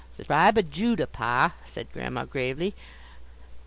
"The tribe o' Judah, pa," said Grandma, gravely.